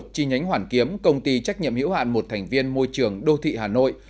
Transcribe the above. chi nhánh hoàn kiếm công ty trách nhiệm hiểu hạn một thành viên môi trường đô thị hà nội